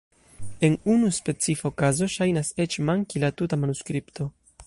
En unu specifa okazo ŝajnas eĉ manki la tuta manuskripto!